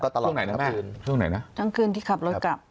ทั้งคืนที่ขับรถกลับ